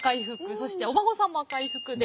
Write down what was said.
そしてお孫さんも赤い服で